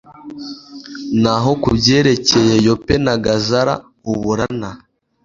naho ku byerekeye yope na gazara uburana